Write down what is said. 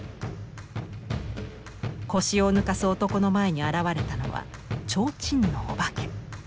腰を抜かす男の前に現れたのはちょうちんのお化け。